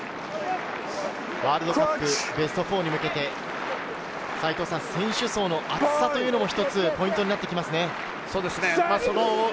ワールドカップベスト４に向けて、選手層の厚さもポイントになってきますね。